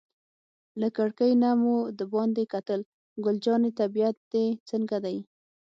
له کړکۍ نه مو دباندې کتل، ګل جانې طبیعت دې څنګه دی؟